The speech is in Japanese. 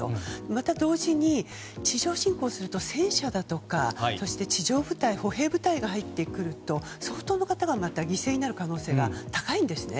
また同時に地上侵攻すると、戦車やそして地上部隊、歩兵部隊が入ってくると相当の方がまた犠牲になる可能性が高いんですね。